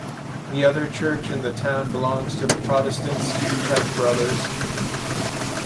The other church in the town belongs to the Protestants, Czech Brothers.